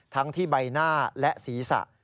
ทั้งที่ใบหน้าและศีรษะ